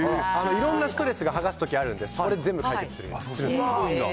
いろんなストレスが、剥がすときあるんで、それ全部解決するんです。